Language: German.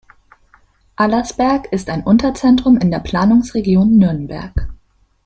Allersberg ist ein Unterzentrum in der Planungsregion Nürnberg.